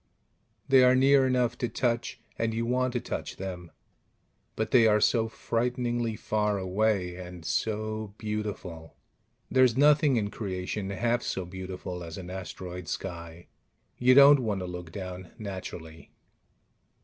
They are near enough to touch, and you want to touch them, but they are so frighteningly far away ... and so beautiful: there's nothing in creation half so beautiful as an asteroid sky. You don't want to look down, naturally.